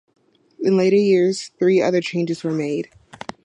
In later years, three other changes were made.